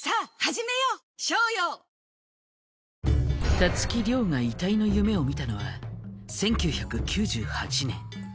たつき諒が遺体の夢を見たのは１９９８年。